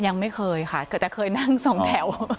ยังไม่เคยค่ะเกิดแต่เคยนั่งสองแถว